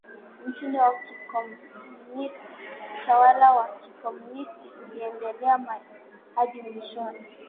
mtindo wa kikomunisti Utawala wa kikomunisti uliendelea hadi Mwishoni